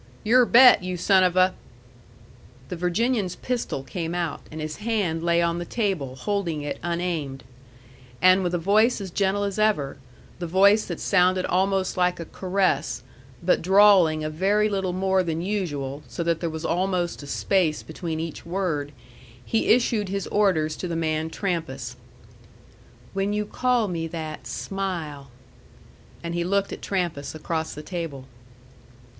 "Your bet, you son of a ." The Virginian's pistol came out, and his hand lay on the table, holding it unaimed. And with a voice as gentle as ever, the voice that sounded almost like a caress, but drawling a very little more than usual, so that there was almost a space between each word, he issued his orders to the man Trampas: "When you call me that, SMILE." And he looked at Trampas across the table.